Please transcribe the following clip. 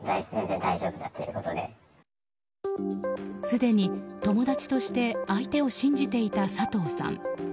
すでに友達として相手を信じていた佐藤さん。